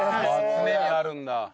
常にあるんだ。